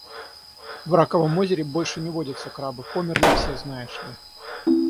В раковом озере больше не водятся крабы. Померли все, знаешь ли.